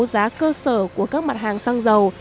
giá cơ sở của các mặt hàng xăng dầu